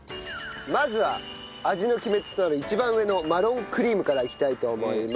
まずは味の決め手となる一番上のマロンクリームからいきたいと思います。